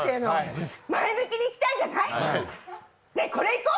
前向きにいきたいじゃない、これいこう。